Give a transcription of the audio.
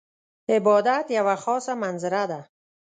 عبادت یوه خاضه منظره ده .